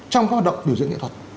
trong các hoạt động điều diễn nghệ thuật